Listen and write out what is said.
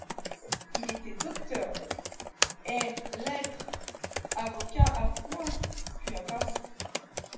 Il était Docteur ès-lettre, Avocat à Foix, puis à Paris.